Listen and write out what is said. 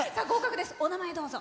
お名前をどうぞ。